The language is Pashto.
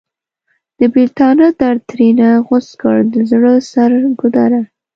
د بیلتانه درد ترېنه غوڅ کړ د زړه سر ګودره!